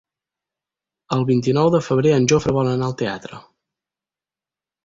El vint-i-nou de febrer en Jofre vol anar al teatre.